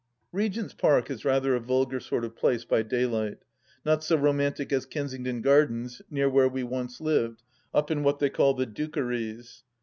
Regent's Park is rather a vulgar sort of place by daylight ; not so romantic as Kensington Gardens near where we once lived, up in what they call the Dukeries.